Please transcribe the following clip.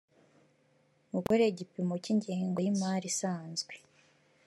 mukore igipimo cya k’ingengo y’ imari isanzwe .